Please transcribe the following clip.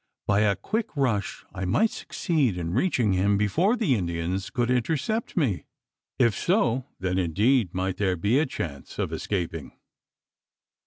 By a quick rush I might succeed in reaching him, before the Indians could intercept me? If so, then indeed might there be a chance of escaping.